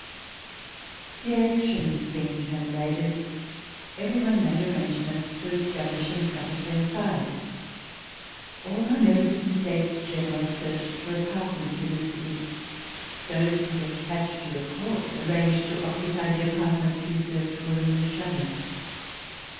The elections being terminated, every one made arrangements to establish himself at Versailles. All the members of the States General searched for apartments in the city. Those who were attached to the Court, arranged to occupy the apartments re served for them in the Chateau.